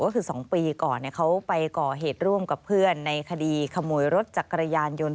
ก็คือ๒ปีก่อนเขาไปก่อเหตุร่วมกับเพื่อนในคดีขโมยรถจักรยานยนต์